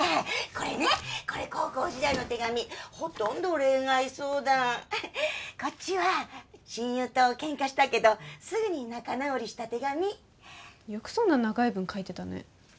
これねこれ高校時代の手紙ほとんど恋愛相談こっちは親友とケンカしたけどすぐに仲直りした手紙よくそんな長い文書いてたね